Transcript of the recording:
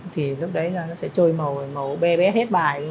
thì lúc đấy nó sẽ trôi màu màu bé bé hết bài rồi